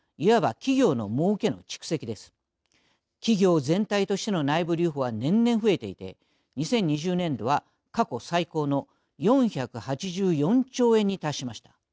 企業全体としての内部留保は年々増えていて２０２０年度は過去最高の４８４兆円に達しました。